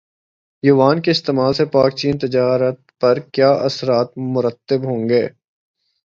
یوان کے استعمال سے پاکچین تجارت پر کیا اثرات مرتب ہوں گے